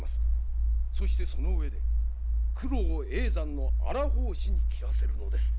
そしてその上で九郎を叡山の荒法師に斬らせるのです。